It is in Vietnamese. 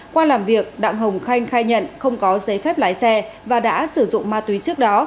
qua làm việc đặng hồng khanh khai nhận không có giấy phép lái xe và đã sử dụng ma túy trước đó